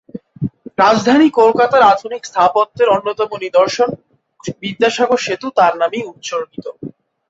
রাজধানী কলকাতার আধুনিক স্থাপত্যের অন্যতম শ্রেষ্ঠ নিদর্শন বিদ্যাসাগর সেতু তারই নামে উৎসর্গিত।